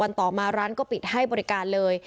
ต่อมาร้านก็ปิดให้บริการเลย